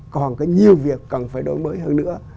còn cái nhiều việc cần phải đổi mới hơn nữa